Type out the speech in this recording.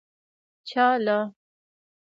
چا له.